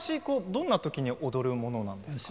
どんなときに踊るものなんですか？